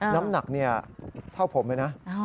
น้ำหนักเท่าผมเลยนะ